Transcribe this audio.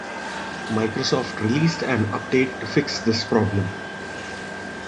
Microsoft released an update to fix this problem.